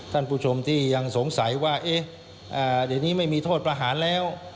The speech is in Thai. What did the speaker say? ท่านผู้ชมที่ยังสงสัยว่าเอ๊ะเดี๋ยวนี้ไม่มีโทษประหารแล้ว